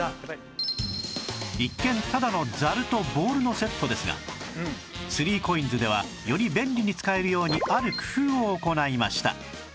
一見ただのザルとボウルのセットですが ３ＣＯＩＮＳ ではより便利に使えるようにある工夫を行いました